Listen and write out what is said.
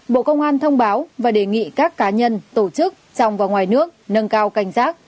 bộ công an thông báo và đề nghị các cá nhân tổ chức trong và ngoài nước nâng cao cảnh giác